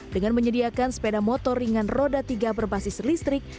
dengan menyediakan sepeda motor ringan roda tiga berbasis listrik